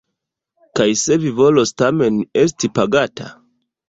Kaj se li volos tamen esti pagata?